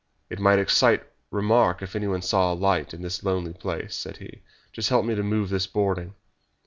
"It might excite remark if anyone saw a light in this lonely place," said he. "Just help me to move this boarding."